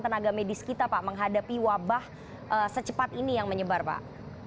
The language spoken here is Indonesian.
tenaga medis kita pak menghadapi wabah secepat ini yang menyebar pak